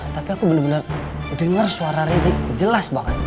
tapi aku bener bener denger suara riri jelas banget